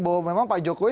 bahwa memang pak jokowi